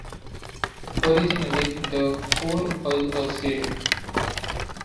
Originally the core was a seed.